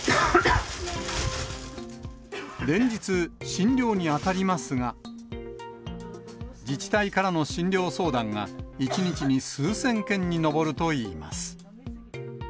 連日、診療に当たりますが、自治体からの診療相談が、１日に数千件に上るといいます。